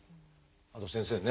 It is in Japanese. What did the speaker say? あと先生ね